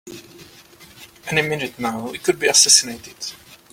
Any minute now we could be assassinated!